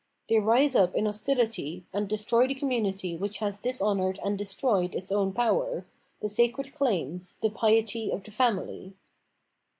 They rise up in hostihty, and destroy the conununity which has dishonoured and destroyed its own power, the sacred claims, the " piety " of the family.